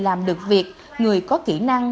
làm được việc người có kỹ năng